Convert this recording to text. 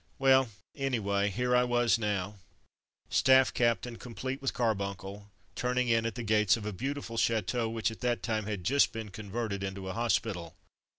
... Well, anyway, here I was now — staff captain, complete, with carbuncle, turning in at the gates of a beautiful chateau which at that time had just been converted into a hospital.